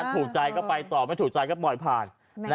ถูกใจก็ไปต่อไม่ถูกใจก็ปล่อยผ่าน